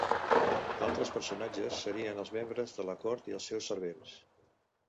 Altres personatges serien els membres de la cort i els seus servents.